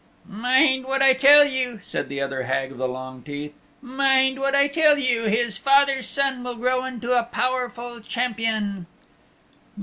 "Mind what I tell you," said the other Hag of the Long Teeth. "Mind what I tell you. His father's son will grow into a powerful champion."